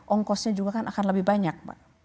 ongkosnya juga kan akan lebih banyak